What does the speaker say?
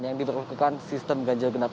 yang diberlakukan sistem ganjil genap